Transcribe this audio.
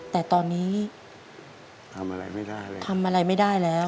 แต่ตอนนี้ทำอะไรไม่ได้เลยทำอะไรไม่ได้แล้ว